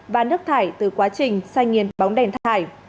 và nước thải từ quá trình sai nghiên bóng đèn thải